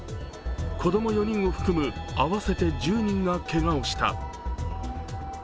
子供４人を含む合わせて１０人がけがをした。